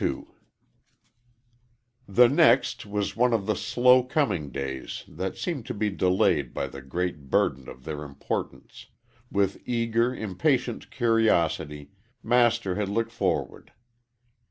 XII THE next was one of the slow coming days that seem to be delayed by the great burden of their importance. With eager, impatient curiosity, Master had looked 'orward.